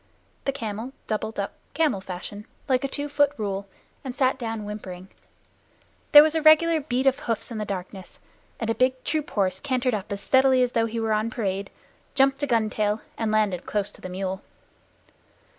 The camel doubled up camel fashion, like a two foot rule, and sat down whimpering. There was a regular beat of hoofs in the darkness, and a big troop horse cantered up as steadily as though he were on parade, jumped a gun tail, and landed close to the mule.